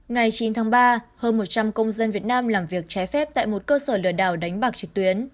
ngày chín tháng ba hơn một trăm linh công dân việt nam làm việc trái phép tại một cơ sở lừa đảo đánh bạc trực tuyến